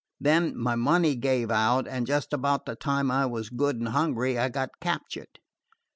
Then my money gave out, and just about the time I was good and hungry I got captured."